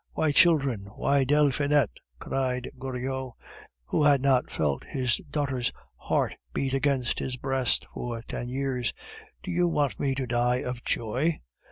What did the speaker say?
"Why, children, why Delphinette!" cried Goriot, who had not felt his daughter's heart beat against his breast for ten years, "do you want me to die of joy?